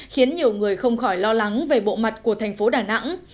khiến nhiều người không khỏi lo lắng về bộ mặt của thành phố đà nẵng